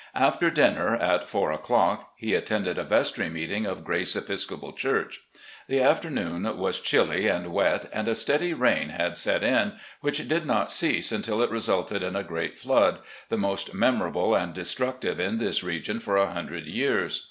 After dinner, at four o'clock, he attended a vestry meeting of Grace (Episcopal) church. The afternoon was chilly and wet, and a steady rain had set in, which did not cease tmtil it resulted in a great flood, the most memorable and destructive in this region for a hundred years.